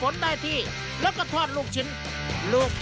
มีมีน้องเคยดูมีหรือเปล่า